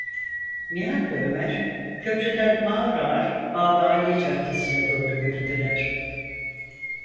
Nihat’la Ömer köprüden ağır ağır Babıâli Caddesi’ne doğru yürüdüler.